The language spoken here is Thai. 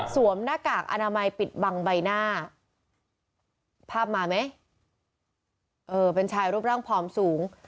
หน้ากากอนามัยปิดบังใบหน้าภาพมาไหมเออเป็นชายรูปร่างผอมสูง